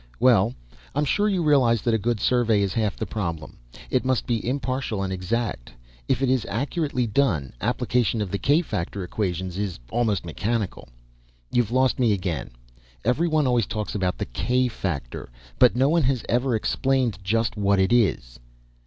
"Well, I'm sure you realize that a good survey is half the problem. It must be impartial and exact. If it is accurately done, application of the k factor equations is almost mechanical." "You've lost me again. Everyone always talks about the k factor, but no one has ever explained just what it is."